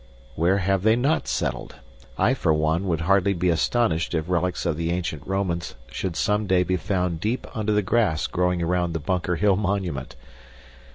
Where have they not settled? I for one would hardly be astonished if relics of the ancient Romans should someday be found deep under the grass growing around the Bunker Hill monument.